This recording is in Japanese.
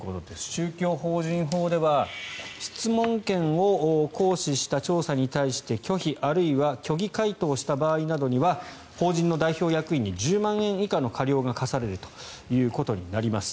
宗教法人法では質問権を行使した調査に対して拒否あるいは虚偽回答した場合などには法人の代表役員に１０万円以下の過料が科されるということになります。